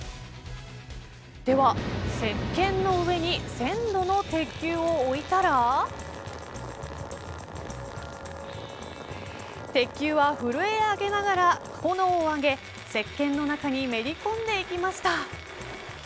では、せっけんの上に１０００度の鉄球を置いたら鉄球は震え上げながら炎を上げせっけんの中にめり込んでいきました。